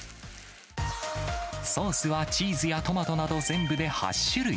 ソースはチーズやトマトなど、全部で８種類。